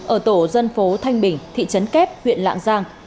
ở tổ dân phố thanh bình thị trấn kép huyện lạng giang